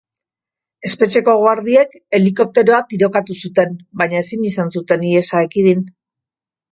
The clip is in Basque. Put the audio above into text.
Espetxeko guardiek helikopteroa tirokatu zuten, baina ezin izan zuten ihesa ekidin.